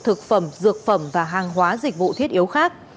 thực phẩm dược phẩm và hàng hóa dịch vụ thiết yếu khác